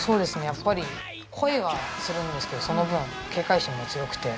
やっぱり声はするんですけどその分警戒心も強くて。